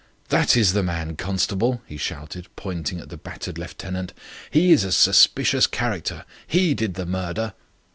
"That is the man, constable," he shouted, pointing at the battered lieutenant. "He is a suspicious character. He did the murder."